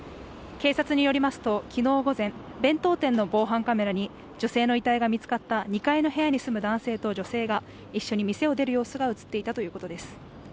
警察によりますと、昨日午前弁当店の防犯カメラに女性の遺体が見つかった２階の部屋に住む男性と女性が一緒に店を出る様子が映っていたということです。